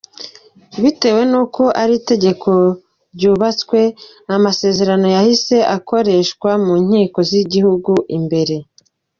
Bitewe n’uko iri tegeko ryubatswe, amasezerano yahise akoreshwa mu nkiko z’igihugu imbere.